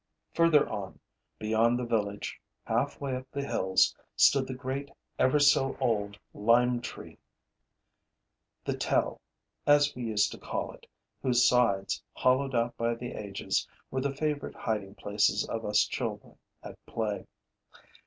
Further on, beyond the village, half way up the hills, stood the great ever so old lime tree, the Tel, as we used to call it, whose sides, hollowed out by the ages, were the favorite hiding places of us children at play.